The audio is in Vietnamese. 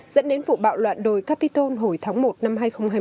dẫn đến vụ bạo loạn đồi capitone hồi tháng một năm hai nghìn hai mươi một